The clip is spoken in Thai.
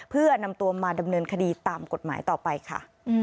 เพื่อนำตัวมาดำเนินคดีตามกฎหมายต่อไปค่ะ